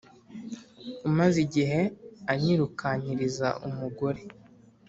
umaze igihe anyirukankiriza umugore